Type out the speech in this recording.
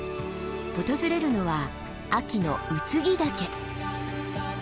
訪れるのは秋の空木岳。